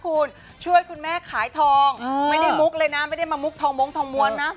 คุณช่วยคุณแม่ขายทองไม่ได้มุกเลยนะไม่ได้มามุกทองมงทองม้วนนะ